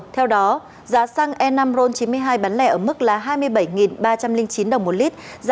theo đó giá xăng e năm ron chín mươi hai bán lẻ ở mức là hai mươi bảy ba trăm linh chín đồng một lít